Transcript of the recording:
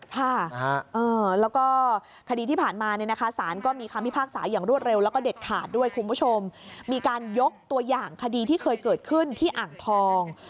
ค่ะแล้วก็คดีที่ผ่านมาเนี่ยนะคะสารก็มีคำพิพากษาอย่างรวดเร็วแล้วก็เด็ดขาดด้วยคุณผู้ชมมีการยกตัวอย่างคดีที่เคยเกิดขึ้นที่อ่างทอง